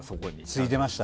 ついてました。